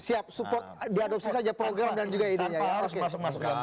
siap support diadopsi saja program dan juga ide nya ya